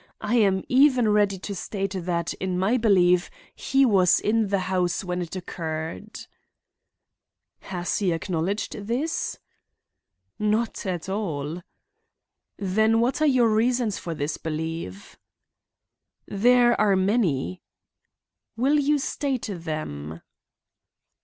I am even ready to state that in my belief he was in the house when it occurred." "Has he acknowledged this?" "Not at all." "Then what are your reasons for this belief?" "They are many" "Will you state them?"